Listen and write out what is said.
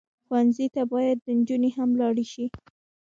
ښوونځی ته باید نجونې هم لاړې شي